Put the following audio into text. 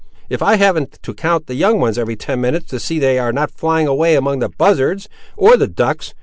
if I haven't to count the young ones every ten minutes, to see they are not flying away among the buzzards, or the ducks.